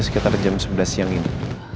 sekitar jam sebelas siang ini